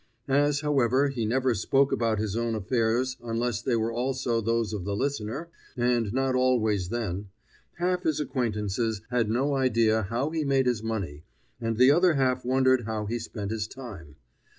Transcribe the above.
As, however, he never spoke about his own affairs unless they were also those of the listener and not always then half his acquaintances had no idea how he made his money, and the other half wondered how he spent his time.